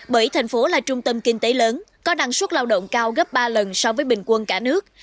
bởi thành phố là trung tâm kinh tế lớn có năng suất lao động cao gấp ba lần so với bình quân cả nước